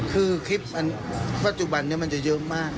คือคลิปปัจจุบันนี้มันจะเยอะมาก